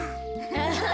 アハハハ。